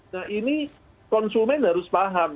nah ini konsumen harus paham